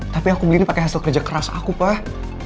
tapi aku beli ini pakai hasil kerja keras aku pak